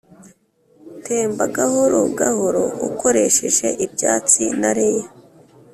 temba, gahoro gahoro, ukoresheje ibyatsi na lea,